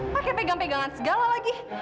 pakai pegang pegangan segala lagi